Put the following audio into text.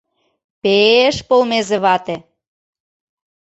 Пе-еш полмезе вате.